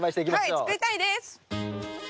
はい作りたいです！